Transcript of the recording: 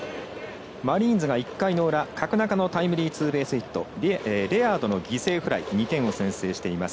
マリーンズが１回の裏角中のタイムリーツーベースヒットレアードの犠牲フライ２点を先制しています。